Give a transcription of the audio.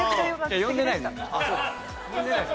呼んでないです